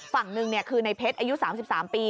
ฝั่งหนึ่งคือในเพชรอายุ๓๓ปี